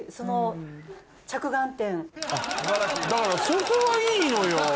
だからそこはいいのよ。